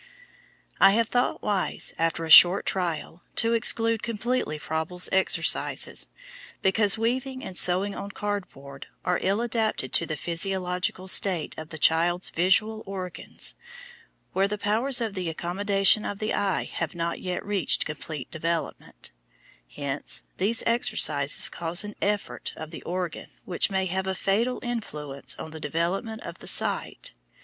I have thought wise, after a short trial, to exclude completely Froebel's exercises, because weaving and sewing on cardboard are ill adapted to the physiological state of the child's visual organs where the powers of the accommodation of the eye have not yet reached complete development; hence, these exercises cause an effort of the organ which may have a fatal influence on the development of the sight.